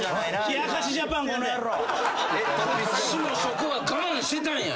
こっちもそこは我慢してたんや。